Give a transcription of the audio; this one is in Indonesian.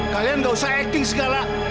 kalian ga usah acting segala